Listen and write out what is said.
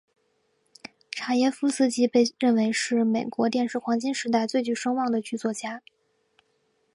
查耶夫斯基被认为是美国电视黄金时代最具声望的剧作家。